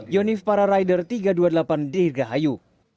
yonif para rider tiga ratus dua puluh delapan dirgahayu